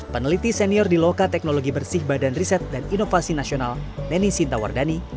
peneliti senior di loka teknologi bersih badan riset dan inovasi nasional nenny sintawardani